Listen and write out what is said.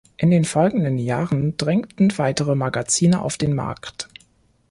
In den folgenden Jahren drängten weitere Magazine auf den Markt.